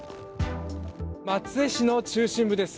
松江市の中心部です。